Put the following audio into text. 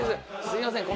すみません